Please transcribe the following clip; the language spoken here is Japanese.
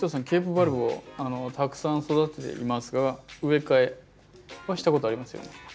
ケープバルブをたくさん育てていますが植え替えはしたことありますよね？